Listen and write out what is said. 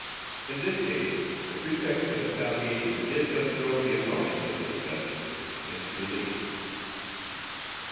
In this case, the pretext and the palliation did but throw the enormity of the injustice into relief.